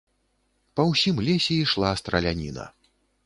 Па ўсім лесе ішла страляніна.